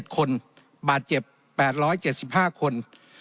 ๗คนบาดเจ็บ๘๗๕คน